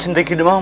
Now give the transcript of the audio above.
cinta hidup mama